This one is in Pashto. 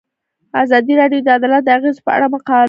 ازادي راډیو د عدالت د اغیزو په اړه مقالو لیکلي.